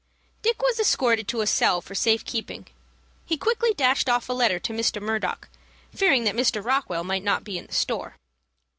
Dick was escorted to a cell for safe keeping. He quickly dashed off a letter to Mr. Murdock, fearing that Mr. Rockwell might not be in the store.